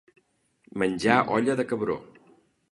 Menjar olla de cabró.